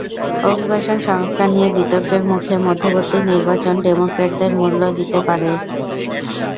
অভিবাসন সংস্কার নিয়ে বিতর্কের মুখে মধ্যবর্তী নির্বাচনে ডেমোক্র্যাটদের মূল্য দিতে হতে পারে।